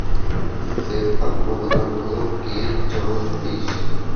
দেবা, কবুতরগুলো কে জল দিস।